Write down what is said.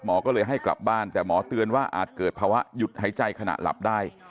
ก็เลยให้กลับบ้านแต่หมอเตือนว่าอาจเกิดภาวะหยุดหายใจขณะหลับได้